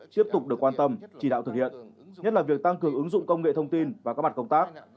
tiếp tục được quan tâm chỉ đạo thực hiện nhất là việc tăng cường ứng dụng công nghệ thông tin và các mặt công tác